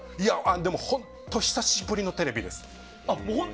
でも、本当に久しぶりのテレビです。